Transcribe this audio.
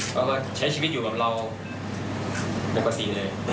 เราก็ใช้ชีวิตอยู่กับเราปกติเลย